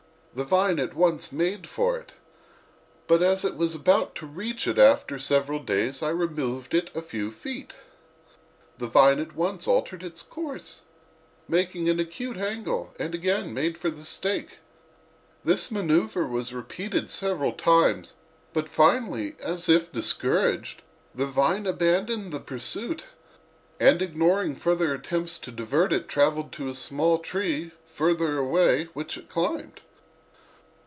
The vine at once made for it, but as it was about to reach it after several days I removed it a few feet. The vine at once altered its course, making an acute angle, and again made for the stake. This manœuvre was repeated several times, but finally, as if discouraged, the vine abandoned the pursuit and ignoring further attempts to divert it traveled to a small tree, further away, which it climbed.